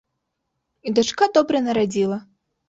І дачка добра нарадзіла.